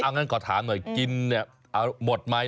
อ่ะงั้นขอถามหน่อยกินเนี่ยหมดไหมแล้วก็อร่อยไหม